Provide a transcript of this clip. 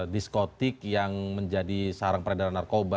diskotik yang menjadi sarang peredaran narkoba